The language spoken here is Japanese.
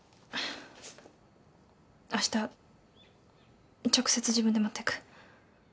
あした直接自分で持ってく。